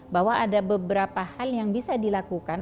bahwa ada beberapa hal yang bisa dilakukan